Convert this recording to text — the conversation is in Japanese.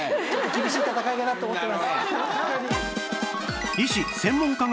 厳しい戦いだなと思ってます。